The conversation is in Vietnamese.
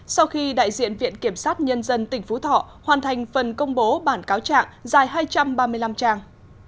sau khi đại diện viện kiểm sát nhân dân tỉnh phú thọ hoàn thành phần công bố bản cáo trạng dài hai trăm ba mươi năm trang